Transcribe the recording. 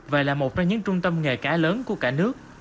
học ra những trung tâm nghề cá lớn của cả nước